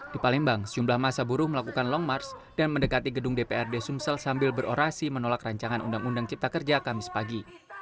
di palembang sejumlah masa buruh melakukan long march dan mendekati gedung dprd sumsel sambil berorasi menolak rancangan undang undang cipta kerja kamis pagi